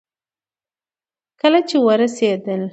کله چې ورسېدل